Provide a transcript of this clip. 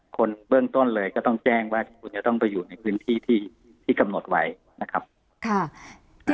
คนเบื้องต้นเลยก็ต้องแจ้งว่าคุณจะต้องไปอยู่ในพื้นที่ที่กำหนดไว้นะครับ